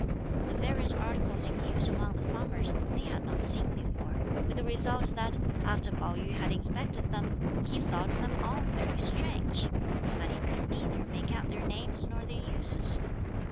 The various articles in use among the farmers they had not seen before, with the result that after Pao yü had inspected them, he thought them all very strange; but he could neither make out their names nor their uses.